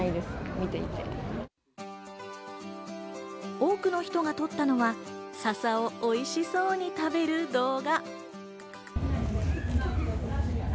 多くの人が撮ったのは、笹をおいしそうに食べる動画。